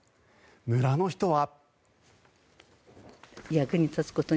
村の人は。